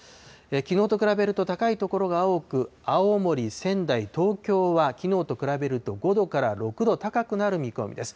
きのうと比べると高い所が多く、青森、仙台、東京はきのうと比べると５度から６度高くなる見込みです。